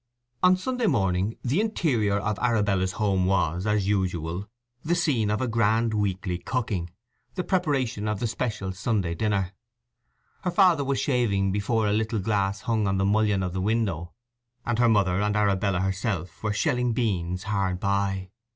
On Sunday morning the interior of Arabella's home was, as usual, the scene of a grand weekly cooking, the preparation of the special Sunday dinner. Her father was shaving before a little glass hung on the mullion of the window, and her mother and Arabella herself were shelling beans hard by.